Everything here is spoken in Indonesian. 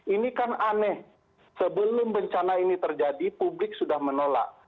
ini kan aneh sebelum bencana ini terjadi publik sudah menolak